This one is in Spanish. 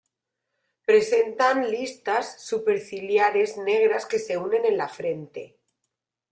Presentan listas superciliares negras que se unen en la frente.